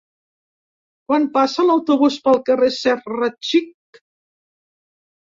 Quan passa l'autobús pel carrer Serra Xic?